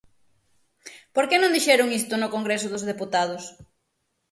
¿Por que non dixeron isto no Congreso dos Deputados?